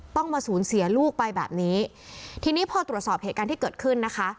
ต้องมาสูญเสียลูกไปแบบนี้ทีนี้พอตรวจสอบเหตุการณ์ที่เกิดขึ้นนะคะ